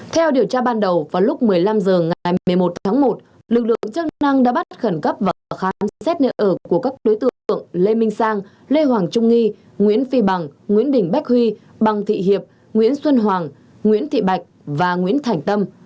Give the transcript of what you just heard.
theo điều tra ban đầu vào lúc một mươi năm h ngày một mươi một tháng một lực lượng chức năng đã bắt khẩn cấp và khám xét nơi ở của các đối tượng lê minh sang lê hoàng trung nghi nguyễn phi bằng nguyễn đình bách huy bằng thị hiệp nguyễn xuân hoàng nguyễn thị bạch và nguyễn thành tâm